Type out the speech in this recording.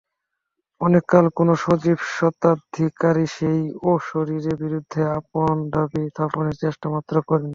অনেককাল কোনো সজীব স্বত্বাধিকারী সেই অশরীরীর বিরুদ্ধে আপন দাবি স্থাপনের চেষ্টামাত্র করে নি।